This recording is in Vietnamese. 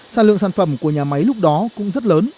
sản lượng sản phẩm của nhà máy lúc đó cũng rất lớn